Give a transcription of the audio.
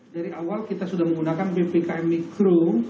dari awal kita sudah menggunakan ppkm mikro